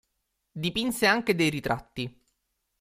Dipinse anche dei ritratti.